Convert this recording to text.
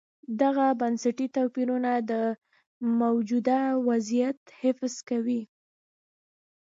دغه بنسټي توپیرونه د موجوده وضعیت حفظ کوي.